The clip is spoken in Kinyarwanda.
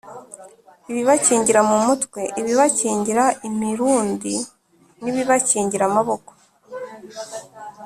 ibibakingira mu mutwe ibibakingira imirundi n’ibibakingira amaboko